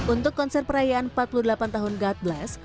untuk konser perayaan empat puluh delapan tahun god bless